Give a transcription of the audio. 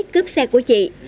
cúp xe của chị